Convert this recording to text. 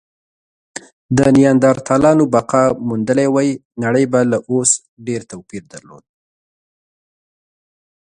که نیاندرتالانو بقا موندلې وی، نړۍ به له اوس ډېر توپیر لرلی.